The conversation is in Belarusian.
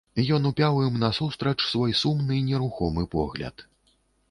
Ён упяў ім насустрач свой сумны нерухомы погляд.